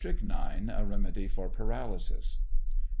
STRYCHNINE A REMEDY FOR PARALYSIS.